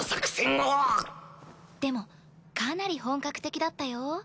でもかなり本格的だったよ。